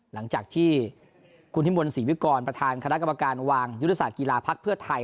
หลังจากที่คุณพิมลศรีวิกรประธานคณะกรรมการวางยุทธศาสตร์กีฬาภักดิ์เพื่อไทย